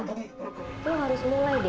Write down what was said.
lu harus mulai deh